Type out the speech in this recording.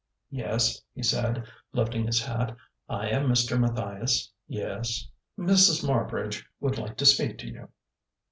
"Yes?" he said, lifting his hat. "I am Mr. Matthias yes " "Mrs. Marbridge would like to speak to you."